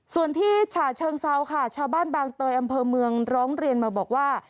ส่วนที่ฉะเชิงเซาค่ะชาวบ้านบางเตยอำเภอเมืองร้องเรียนมาบอกว่า